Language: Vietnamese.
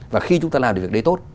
và khi chúng ta làm được việc đấy tốt